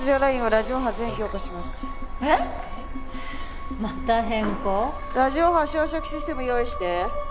ラジオ波焼灼システム用意して。